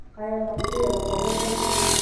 آیا پښتو یوه خوږه ژبه نه ده؟